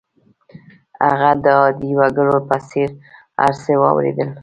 هغه د عادي وګړو په څېر هر څه واورېدل